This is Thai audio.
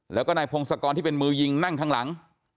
แล้วก็นายพงศกรที่เป็นมือยิงนั่งข้างหลัง